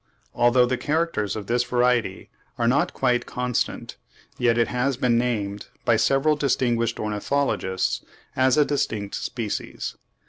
Although the characters of this variety are not quite constant, yet it has been named by several distinguished ornithologists as a distinct species.